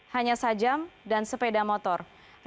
hanya sajam dan sepeda motor